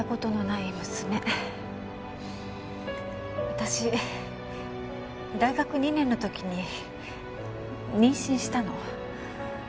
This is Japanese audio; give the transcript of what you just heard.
私大学２年の時に妊娠したの。